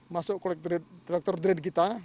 masuk ke kolektor drain kita